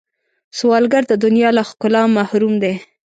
سوالګر د دنیا له ښکلا محروم دی